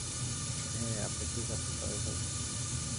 হ্যাঁ, আপনি ঠিক আছেন, টমি ভাই?